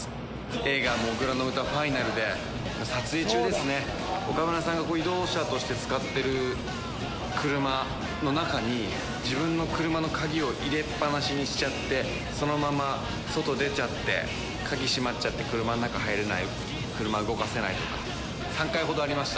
映画、土竜の唄ＦＩＮＡＬで、撮影中ですね、岡村さんが移動車として使ってる車の中に、自分の車の鍵を入れっぱなしにしちゃって、そのまま、外、出ちゃって、鍵閉まっちゃって、車の中、入れない、車動かせないとか、３回ほどありました。